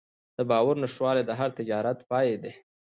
د باور نشتوالی د هر تجارت پای ده.